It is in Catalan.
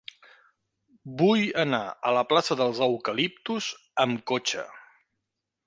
Vull anar a la plaça dels Eucaliptus amb cotxe.